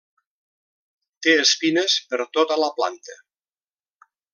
Té espines per tota la planta.